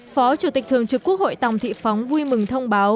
phó chủ tịch thường trực quốc hội tòng thị phóng vui mừng thông báo